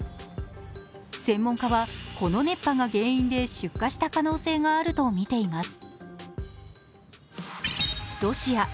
専門家はこの熱波が原因で出火した可能性があると見ています。